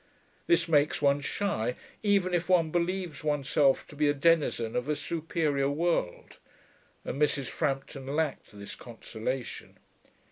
This makes one shy, even if one believes oneself to be a denizen of a superior world, and Mrs. Frampton lacked this consolation.